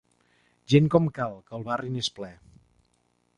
Gent com cal, que el barri n'és ple.